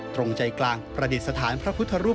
ตรงใจกลางประดิษฐานพระพุทธรูป